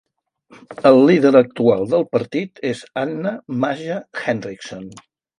El líder actual del partit és Anna-Maja Henriksson.